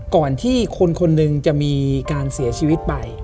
ก่อนที่คนคนหนึ่งจะมีการเสียชีวิตไป